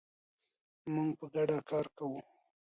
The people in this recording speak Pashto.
موږ په ګډه کار کوو.